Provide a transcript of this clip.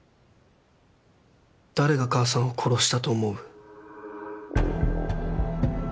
誰が母さんを殺したと思う？